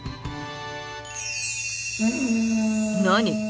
何？